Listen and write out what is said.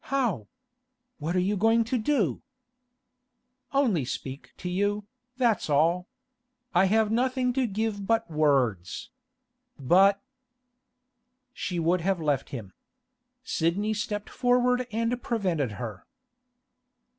'How? What are you going to do?' 'Only speak to you, that's all. I have nothing to give but words. But—' She would have left him. Sidney stepped forward and prevented her.